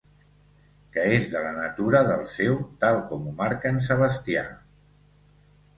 Que és de la natura del sèu, tal com ho marca en Sebastià.